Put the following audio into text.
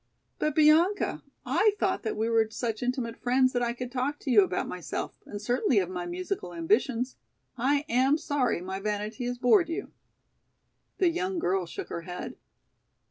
"But, Bianca, I thought that we were such intimate friends that I could talk to you about myself, and certainly of my musical ambitions. I am sorry my vanity has bored you." The young girl shook her head.